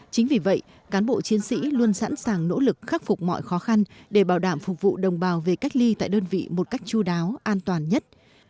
chính vì vậy cán bộ chiến sĩ luôn sẵn sàng nỗ lực khắc phục mọi khó khăn để bảo đảm phục vụ đồng bào về cách ly tại đơn vị một cách chú đáo an toàn nhất